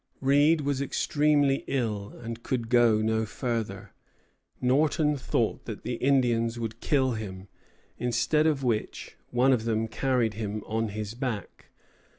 Reed was extremely ill, and could go no farther. Norton thought that the Indians would kill him, instead of which one of them carried him on his back.